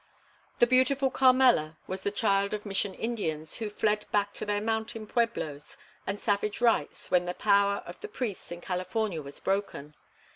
The beautiful Carmela was the child of Mission Indians who fled back to their mountain pueblos and savage rites when the power of the priests in California was broken.